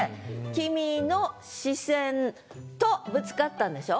「君の視線と」ぶつかったんでしょ？